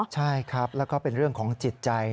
ใช่ครับแล้วก็เป็นเรื่องของจิตใจ